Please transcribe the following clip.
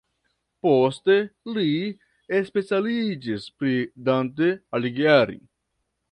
Poste li specialiĝis pri Dante Alighieri.